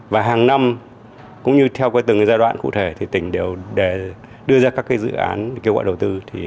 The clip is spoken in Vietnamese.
và hàng năm cũng như theo từng giai đoạn cụ thể tỉnh đều đưa ra các dự án kêu gọi đầu tư